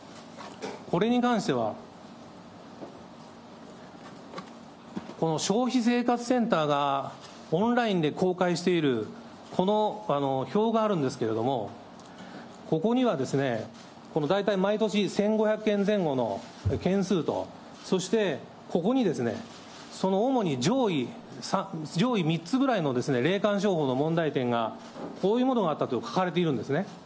これに関しては、この消費生活センターがオンラインで公開しているこの表があるんですけれども、ここには、大体毎年、１５００件前後の件数と、そしてここに、その主に上位３つぐらいの霊感商法の問題点が、こういうものがあったと書かれているんですね。